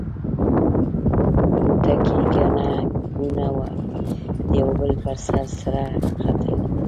په کوټه کې ګڼه ګوڼه وه؛ د یوه بل پر سر سره ختل.